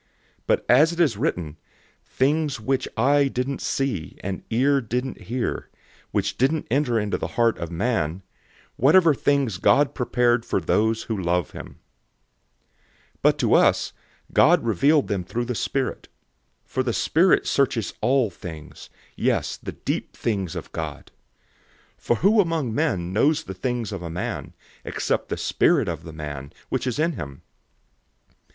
002:009 But as it is written, "Things which an eye didn't see, and an ear didn't hear, which didn't enter into the heart of man, these God has prepared for those who love him."{Isaiah 64:4} 002:010 But to us, God revealed them through the Spirit. For the Spirit searches all things, yes, the deep things of God. 002:011 For who among men knows the things of a man, except the spirit of the man, which is in him?